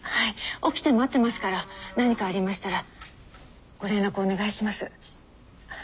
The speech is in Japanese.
起きて待ってますから何かありましたらご連絡お願いします。